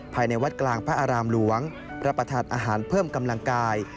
ภายในวัดกลางพระอารามหลวงพระประธานอาหารเพิ่มกำลังกาย